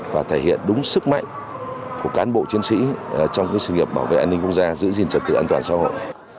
và thể hiện đúng sức mạnh của cán bộ chiến sĩ trong sự nghiệp bảo vệ an ninh quốc gia giữ gìn trật tự an toàn xã hội